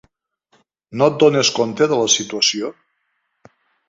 No et dones compte de la situació?